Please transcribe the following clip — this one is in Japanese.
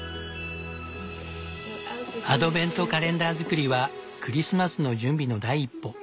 アドベントカレンダー作りはクリスマスの準備の第一歩。